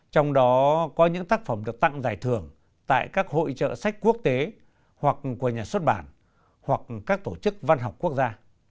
trong đó có những tác phẩm được tặng giải thưởng tại các hội trợ sách quốc tế hoặc của nhà xuất bản hoặc các tổ chức văn học quốc gia